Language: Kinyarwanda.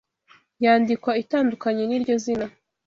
yandikwa itandukanye n’iryo zina